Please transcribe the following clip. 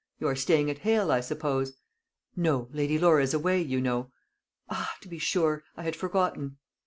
"You are staying at Hale, I suppose?" "No; Lady Laura is away, you know." "Ah to be sure; I had forgotten."